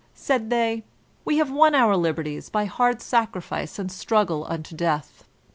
Said they : We have won our liberties by hard sacrifice and struggle unto death.